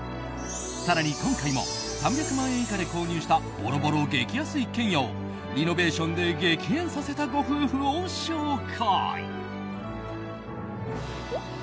更に、今回も３００万円以下で購入したボロボロ激安一軒家をリノベーションで激変させたご夫婦を紹介。